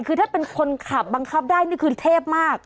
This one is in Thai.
กลับบังคับได้นี่คือเทพมาก